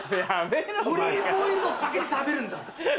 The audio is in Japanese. オリーブオイルをかけて食べるんだ。